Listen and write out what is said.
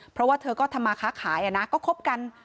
เพราะว่าเธอก็ทำมาค้าขายนะก็คบกัน